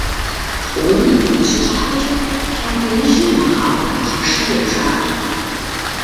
Унэм ущыщӏыхьэкӏэ лъапэ ижьыр нэхъапэ щӏэшие жаӏэрт.